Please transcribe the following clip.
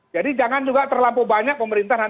jadi jangan terlampau banyak pemerintah